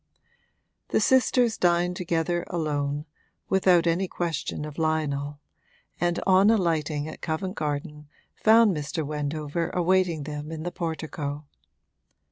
The sisters dined together alone, without any question of Lionel, and on alighting at Covent Garden found Mr. Wendover awaiting them in the portico.